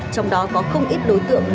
trong đó có không ít đối tượng